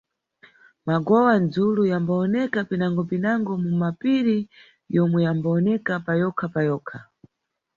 Magowa-dzulu yambawoneka pinango-pinango mu mapiri yomwe yambawoneka payokha-payokha.